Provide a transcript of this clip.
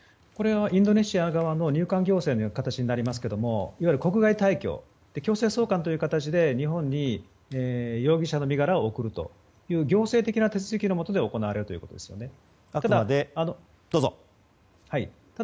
インドネシア側の入管行政の担当になりますがいわゆる国外退去強制送還という形で日本に容疑者の身柄を送るという行政的な手続きのもとで行われることになります。